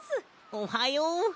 おはよう。